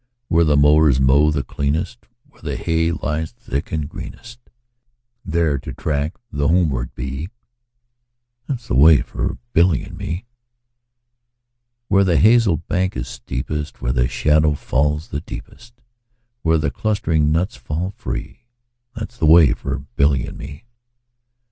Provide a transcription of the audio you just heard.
Where the mowers mow the cleanest, Where the hay lies thick and greenest, 10 There to track the homeward bee, That 's the way for Billy and me. Where the hazel bank is steepest, Where the shadow falls the deepest, Where the clustering nuts fall free, 15 That 's the way for Billy and me.